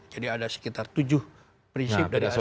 jadi ada sekitar tujuh prinsip dari asas asas umum